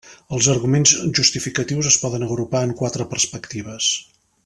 Els arguments justificatius es poden agrupar en quatre perspectives.